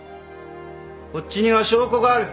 こっちには証拠がある。